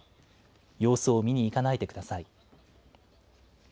様子を見に行かないでください。